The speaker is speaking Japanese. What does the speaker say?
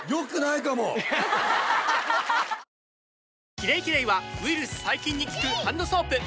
「キレイキレイ」はウイルス・細菌に効くハンドソープ！